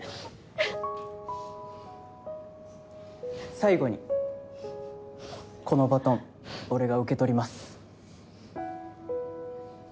最後にこのバトン俺が受け取ります。